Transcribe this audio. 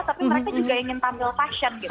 tapi mereka juga ingin tampil fashion gitu